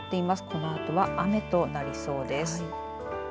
このあとは雨となりそうです。